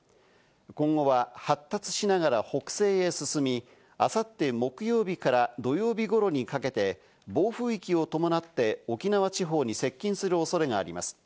今後は発達しながら北西へ進み、あさって木曜日から土曜日ごろにかけて暴風域を伴って沖縄地方に接近するおそれがあります。